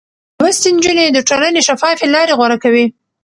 لوستې نجونې د ټولنې شفافې لارې غوره کوي.